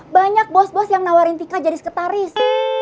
banyak bos bos yang nawarin tika jadi sekretaris